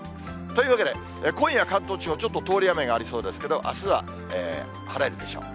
というわけで、今夜、関東地方、ちょっと通り雨がありそうですけど、あすは晴れるでしょう。